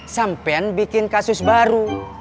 sampaian bikin kasus baru